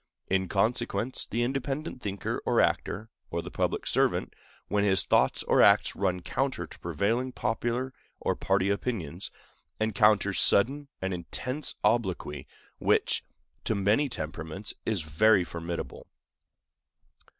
In consequence, the independent thinker or actor, or the public servant, when his thoughts or acts run counter to prevailing popular or party opinions, encounters sudden and intense obloquy, which, to many temperaments, is very formidable.